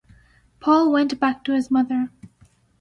Paul went back to his mother.